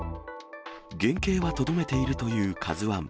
原形はとどめているというＫＡＺＵＩ。